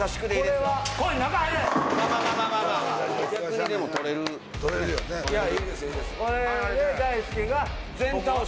はい。